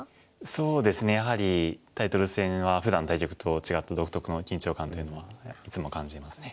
そうですねやはりタイトル戦はふだんの対局と違って独特の緊張感というのはいつも感じますね。